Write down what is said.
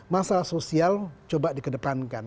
masalah sosial coba dikedepankan